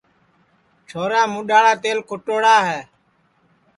چھورا مُڈؔاڑا تیل کُھٹوڑا ہے